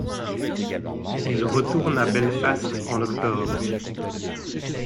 Il retourne à Belfast en octobre.